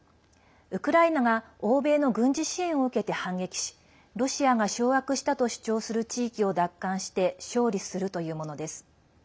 ウクライナが欧米の軍事支援を受けて反撃しロシアが掌握したと主張する地域を奪還して勝利するというものです。